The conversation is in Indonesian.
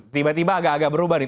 tiba tiba agak agak berubah nih